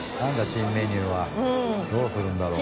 新メニューはどうするんだろう。